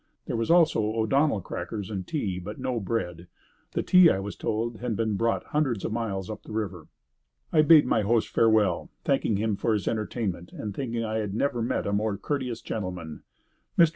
There was also O'Donnell crackers and tea, but no bread. The tea, I was told, had been brought hundreds of miles up the river. I bade my host farewell, thanking him for his entertainment and thinking I had never met a more courteous gentleman. Mr.